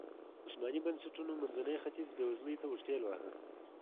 عثماني بنسټونو منځنی ختیځ بېوزلۍ ته ورټېل واهه.